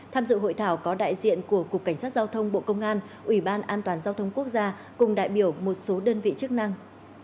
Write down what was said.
tham dự hội thảo có đại diện của cục cảnh sát giao thông bộ công an ủy ban an toàn giao thông quốc gia cùng đại biểu một số đơn vị chức năng